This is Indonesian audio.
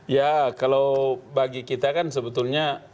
ya kalau bagi kita kan sebetulnya